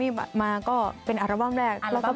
โอละหนอหมอรำนะครับ